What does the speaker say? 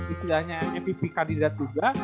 istilahnya mvp kandidat juga